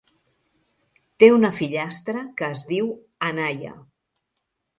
Té una fillastra que es diu Anaya.